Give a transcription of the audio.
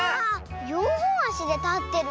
よんほんあしでたってるね。